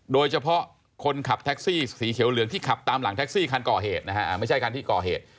โดยเฉพาะคนขับแท็กซี่สีเขียวเหลืองที่ขับตามหลังแท็กซี่คันก่อเหตุนะฮะไม่ใช่คันที่ก่อเหตุ